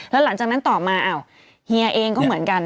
แล้วหลังจากนั้นต่อมาอ้าวเฮียเองก็เหมือนกัน